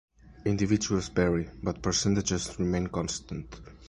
Individuals vary, but percentages remain constant.